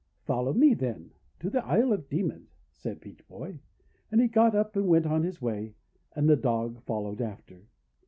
"Follow me, then, to the Isle of Demons," said Peach Boy, and he got up and went on his way. And the Dog followed after.